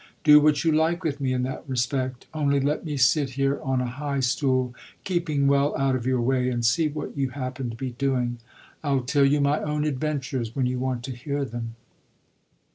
Do what you like with me in that respect; only let me sit here on a high stool, keeping well out of your way, and see what you happen to be doing. I'll tell you my own adventures when you want to hear them."